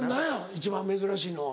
一番珍しいのは。